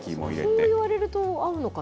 そう言われると、合うのかな？